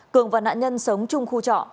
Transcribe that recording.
cường và nạn nhân sống chung khu trọ